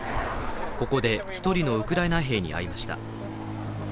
ここで１人のウクライナ兵に会いました。